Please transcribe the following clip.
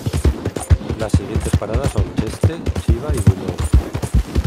Las siguientes paradas son Cheste, Chiva y Buñol.